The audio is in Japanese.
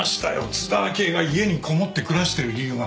津田明江が家にこもって暮らしてる理由が。